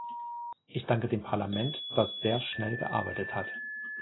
Ich danke dem Parlament, das sehr schnell gearbeitet hat.